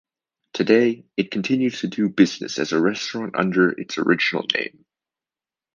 Today, it continues to do business as a restaurant under its original name.